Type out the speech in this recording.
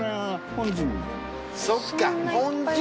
そっか。